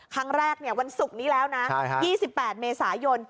ครั้งแรกวันศุกร์นี้แล้วนะ๒๘เมษายน